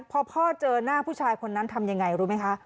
พอพ่อเจอหน้าผู้ชายคนนั้นทำยังไงรู้ไหมคะ